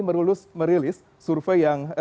merilis survei yang